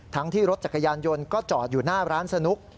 ทั้งที่รถจักรยานยนต์ก็จอดอยู่หน้าร้านสนุก